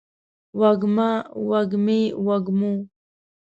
وږمه، وږمې ، وږمو